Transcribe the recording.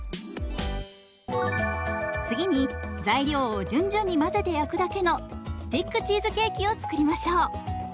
次に材料を順々に混ぜて焼くだけのスティックチーズケーキを作りましょう。